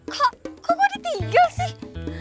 kok gue ditinggal sih